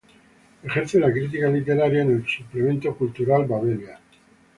Ejerce la crítica literaria en el Suplemento Cultural Babelia.